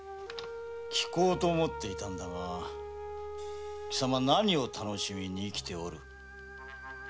聞こうと思っていたのだが貴様何を楽しみに生きておる？